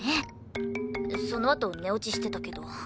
そのあと寝落ちしてたけど。